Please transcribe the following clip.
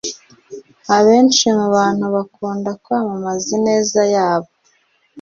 abenshi mu bantu bakunda kwamamaza ineza yabo,